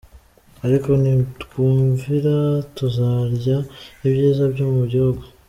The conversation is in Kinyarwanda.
Ariko nitwumvira tuzarya ibyiza byo mu gihugu.